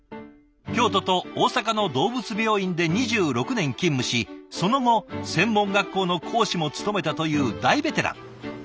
京都と大阪の動物病院で２６年勤務しその後専門学校の講師も務めたという大ベテラン。